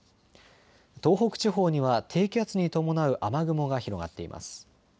東北地方には低気圧に伴う雨雲が広がっています。